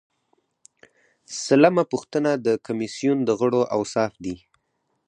سلمه پوښتنه د کمیسیون د غړو اوصاف دي.